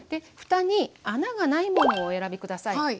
ふたに穴がないものをお選び下さい。